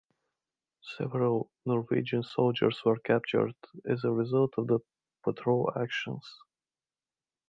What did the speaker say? Several Norwegian soldiers were captured as a result of the patrol actions.